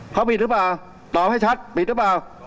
เขาผิดหรือเปล่าตอบให้ชัดปิดหรือเปล่า